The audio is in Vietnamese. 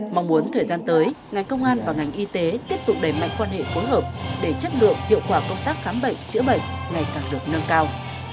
mong muốn thời gian tới ngành công an và ngành y tế tiếp tục đẩy mạnh quan hệ phối hợp để chất lượng hiệu quả công tác khám bệnh chữa bệnh ngày càng được nâng cao